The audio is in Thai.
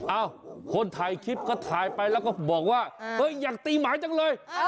เอ้าคนถ่ายคลิปก็ถ่ายไปแล้วก็บอกว่าเฮ้ยอยากตีหมาจังเลย